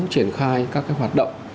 triển khai các hoạt động